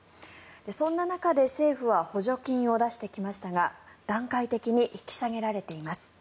そんな中で政府は補助金を出してきましたが段階的に引き下げられています。